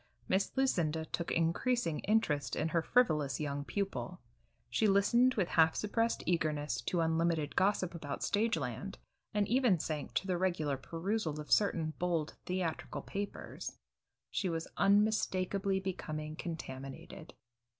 Miss Lucinda took increasing interest in her frivolous young pupil; she listened with half suppressed eagerness to unlimited gossip about stage land, and even sank to the regular perusal of certain bold theatrical papers. She was unmistakably becoming contaminated.